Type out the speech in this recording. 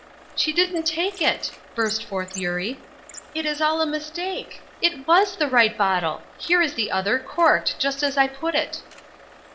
"She didn't take it!" burst forth Eurie. "It is all a mistake. It was the right bottle. Here is the other, corked, just as I put it."